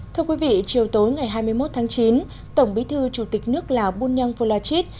thưa quý vị chiều tối ngày hai mươi một tháng chín tổng bí thư chủ tịch nước là bunyang phu la chit